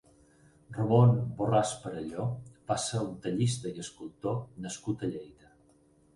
Ramon Borràs Perelló va ser un tallista i escultor nascut a Lleida.